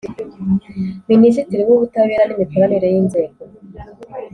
Minisitiri w’Ubutabera n’Imikoranire y’Inzego